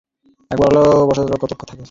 এ একবার হলে বৎসর কতক থাকে।